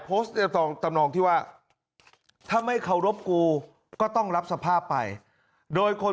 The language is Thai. โพสต์ในตำนองที่ว่าถ้าไม่เคารพกูก็ต้องรับสภาพไปโดยคน